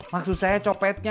maksud saya copetnya